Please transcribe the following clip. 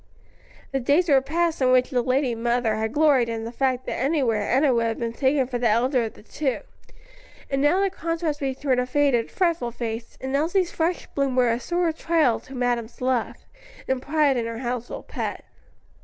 The days were past in which the lady mother had gloried in the fact that anywhere Enna would have been taken for the elder of the two; and now the contrast between her faded, fretful face and Elsie's fresh bloom was a sore trial to madam's love, and pride in her household pet.